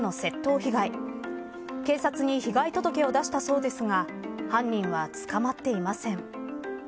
被害警察に被害届を出したそうですが犯人は捕まっていません。